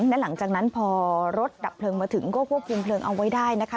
และหลังจากนั้นพอรถดับเพลิงมาถึงก็ควบคุมเพลิงเอาไว้ได้นะคะ